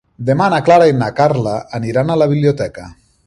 Demà na Clara i na Carla aniran a la biblioteca.